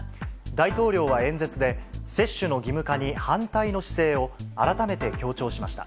大統領は演説で、接種の義務化に反対の姿勢を改めて強調しました。